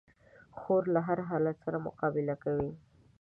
خور له هر حالت سره مقابله کوي.